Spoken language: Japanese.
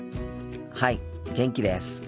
はい元気です。